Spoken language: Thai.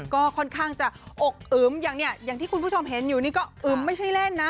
ก็ค่อนข้างจะอกอึมอย่างที่คุณผู้ชมเห็นอยู่นี่ก็อึมไม่ใช่เล่นนะ